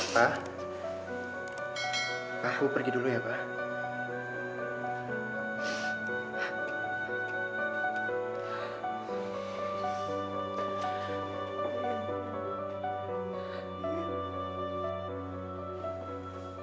pak aku pergi dulu ya pak